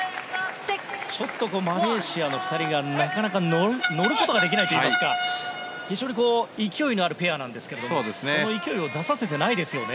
ちょっとマレーシアの２人がなかなか乗ることができないといいますか非常に勢いのあるペアなんですがその勢いを出させてないですよね。